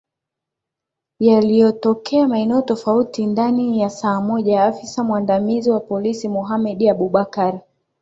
yaliyo tokea maeneo tofauti ndani saa moja afisa mwandamizi wa polisi mohamed abubakar